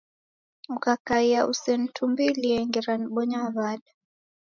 Ukakaia usenitumbulie ngera nibonya wa'da